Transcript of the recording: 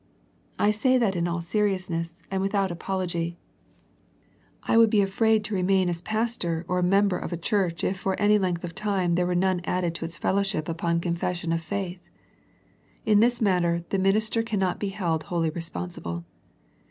I say that in all seriousness, and without apology. I would be afraid to remain as pas 152 A First Century Message tor or member of a church if for any length of time there were none added to its fellow ship upon confession of faith. In this matter the minister cannot be held wholly responsible.